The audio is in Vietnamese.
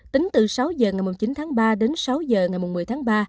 tính từ sáu h ngày một mươi chín tháng ba đến sáu h ngày một mươi tháng ba